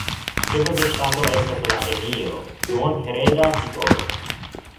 Ĉefo de ŝtato estas la Emiro, duon-hereda titolo.